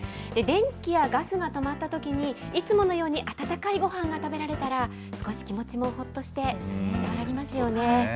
電気やガスが止まったときに、いつものように温かいごはんが食べられたら、少し気持ちもほっとして、和らぎますよね。